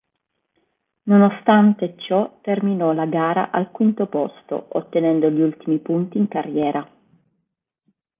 Nonostante ciò terminò la gara al quinto posto, ottenendo gli ultimi punti in carriera.